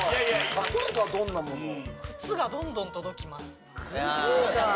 例えばどんな物を？